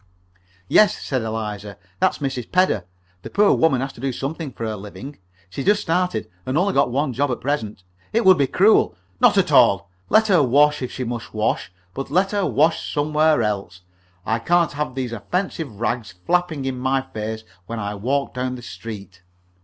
"Yes," said Eliza, "that's Mrs. Pedder. The poor woman has to do something for her living. She's just started, and only got one job at present. It would be cruel " "Not at all. Let her wash, if she must wash, but let her wash somewhere else. I cannot have these offensive rags flapping in my face when I walk down the street."